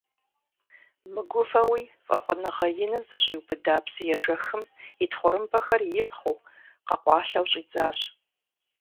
Мыгувэуи фӀэфӀыныгъэ иным зэщӀиубыда псыежэхым, и тхъурымбэхэр ипхъыу, къэкъуалъэу щӀидзащ.